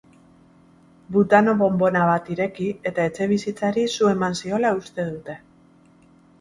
Butano-bonbona bat ireki eta etxebizitzari su eman ziola uste dute.